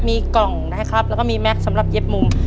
มีกล่องนะครับแล้วก็มีแม็กซ์สำหรับเย็บมุม